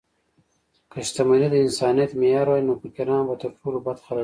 که شتمني د انسانیت معیار وای، نو فقیران به تر ټولو بد خلک وای.